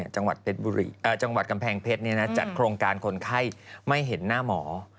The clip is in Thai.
จังหวัดกำแพงเพชรจัดโครงการคนไข้ไม่เห็นหน้าหมอ